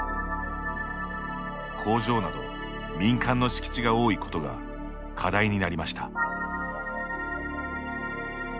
工場など、民間の敷地が多いことが課題になりました。